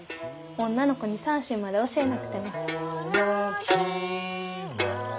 女の子に三線まで教えなくても。